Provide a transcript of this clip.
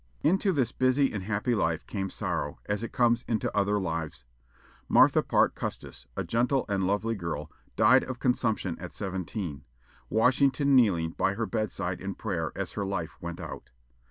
Into this busy and happy life came sorrow, as it comes into other lives. Martha Parke Custis, a gentle and lovely girl, died of consumption at seventeen, Washington kneeling by her bedside in prayer as her life went out.